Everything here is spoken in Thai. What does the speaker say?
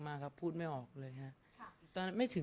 สงฆาตเจริญสงฆาตเจริญ